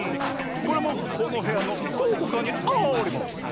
これもこのへやのどこかにあります。